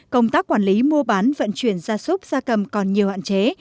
công tác quản lý mua bán vận chuyển gia súc gia cầm còn nhiều hạn chế